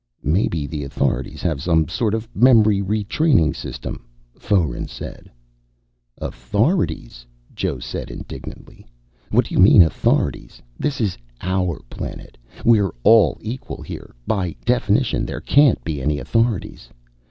"Maybe the authorities have some sort of memory retraining system," Foeren said. "Authorities?" Joe said indignantly. "What do you mean, authorities? This is our planet. We're all equal here. By definition, there can't be any authorities.